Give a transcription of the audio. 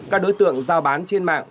các đối tượng giao bán trên mạng